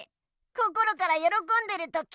心からよろこんでる時。